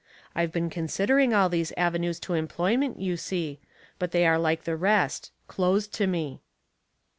I've been con sidering all these avenues to employment, you see ; but they are like the rest, closed to me."